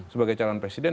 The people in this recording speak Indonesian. sebagai calon presiden